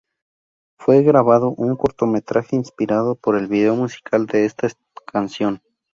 Fue grabado un cortometraje inspirado por el vídeo musical de esta canción.